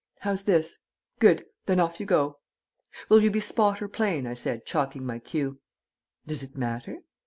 "How's this? Good. Then off you go." "Will you be spot or plain?" I said, chalking my cue. "Does it matter?"